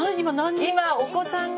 今お子さんが？